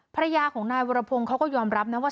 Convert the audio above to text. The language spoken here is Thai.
ภรรยาของนายวรพงศ์เขาก็ยอมรับนะว่า